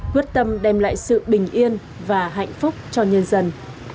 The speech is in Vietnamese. quyết tâm đem lại sự bình yên và hạnh phúc cho nhân dân